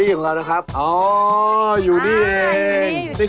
นี้ไม่มีนะครับไม่ได้มีใครเลือก